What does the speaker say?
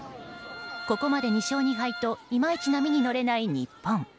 ここまで２勝２敗といまいち波に乗れない日本。